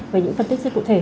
về những phân tích rất cụ thể